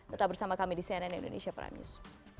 tetap bersama kami di cnn indonesia prime news